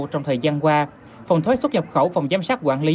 trong thời gian qua phòng thuế xuất nhập khẩu phòng giám sát quản lý